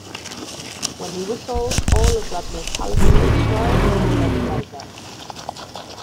When he whistled all of Vladimir's palaces were destroyed and many lay dead.